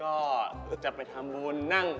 ก็จะไปทำบุญนั่ง